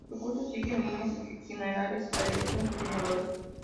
Su curso sigue, en líneas generales, la dirección sur-noreste.